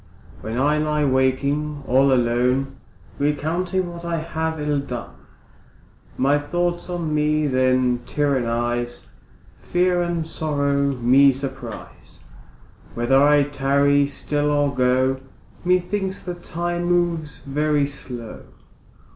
When I lie waking all alone, Recounting what I have ill done, My thoughts on me then tyrannise, Fear and sorrow me surprise, Whether I tarry still or go, Methinks the time moves very slow.